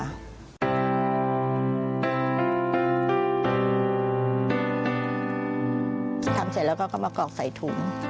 ทำเสร็จแล้วก็มากรอกใส่ถุง